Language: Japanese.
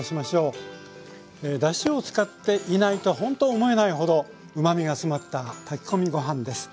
だしを使っていないとほんと思えないほどうまみが詰まった炊き込みご飯です。